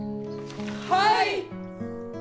はい！